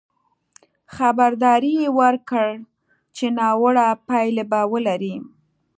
خبرداری یې ورکړ چې ناوړه پایلې به ولري.